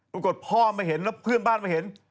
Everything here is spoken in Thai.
พ่อมาเห็นแล้วเพื่อนบ้านมาเห็น